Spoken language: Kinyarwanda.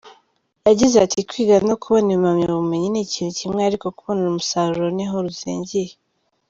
Yagize ati “Kwiga no kubona impamyabumenyi ni ikintu kimwe ariko kubona umusaruro niho ruzingiye.